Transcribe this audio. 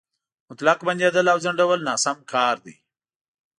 مطلق بندېدل او ځنډول ناسم کار دی.